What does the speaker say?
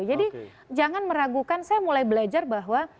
jadi jangan meragukan saya mulai belajar bahwa